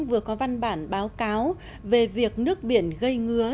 vừa có văn bản báo cáo về việc nước biển gây ngứa